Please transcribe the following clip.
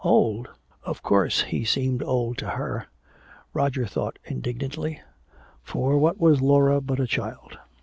Old? Of course he seemed old to her, Roger thought indignantly. For what was Laura but a child?